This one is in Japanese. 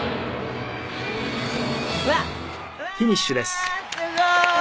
うわーすごーい！